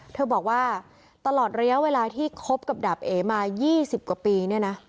เธอบอกว่าตลอดระยะเวลาที่คบกับดาบเอ๋มา๒๐กว่าปีเนี่ยนะ